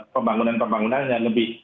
pembangunan pembangunan yang lebih